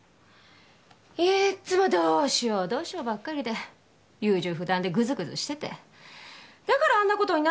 いつもどうしようどうしようばっかりで優柔不断でグズグズしててだからあんな事になったんじゃないの？